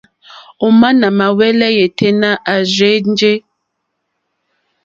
Òmá nà mà hwɛ́lɛ́ yêténá à rzí jè.